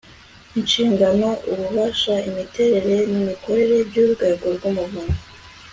inshingano ububasha imiterere n imikorere by urwego rw umuvunyi